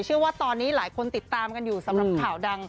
เชื่อว่าตอนนี้หลายคนติดตามกันอยู่สำหรับข่าวดัง